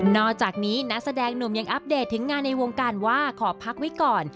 อกจากนี้นักแสดงหนุ่มยังอัปเดตถึงงานในวงการว่าขอพักไว้ก่อน